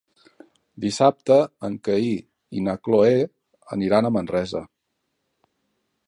Dissabte en Cai i na Cloè aniran a Manresa.